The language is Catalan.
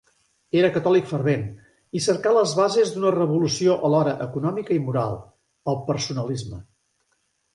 Era catòlic fervent, i cercà les bases d'una revolució alhora econòmica i moral: el personalisme.